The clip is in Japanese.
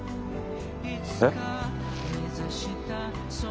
えっ？